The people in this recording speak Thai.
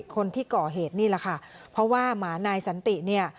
คนที่ก่อเหตุนี่แหละค่ะเพราะว่าหมานายสันติเนี่ย